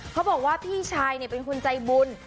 เขาบอกว่าพี่ชายเป็นคนใจบุญ